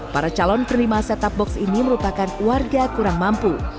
para calon penerima set top box ini merupakan warga kurang mampu